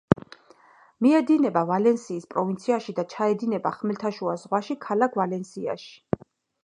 მიედინება ვალენსიის პროვინციაში და ჩაედინება ხმელთაშუა ზღვაში, ქალაქ ვალენსიაში.